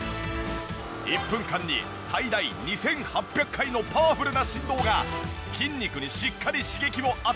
１分間に最大２８００回のパワフルな振動が筋肉にしっかり刺激を与え